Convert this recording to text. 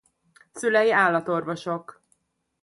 Szülei állatorvosok.